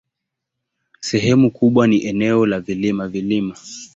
Sehemu kubwa ni eneo la vilima-vilima.